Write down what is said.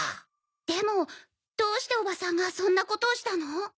でもどうしておばさんがそんなことをしたの？